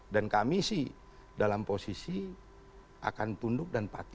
dan kami sih dalam posisi akan tunduk dan panggil